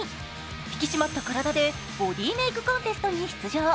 引き締まった体でボディメイクコンテストに出場。